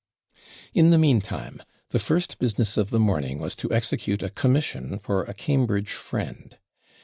In the meantime, the first business of the morning was to execute a commission for a Cambridge friend.